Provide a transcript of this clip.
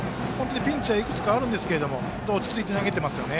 ピンチはいくつかあるんですけど落ち着いて投げていますよね。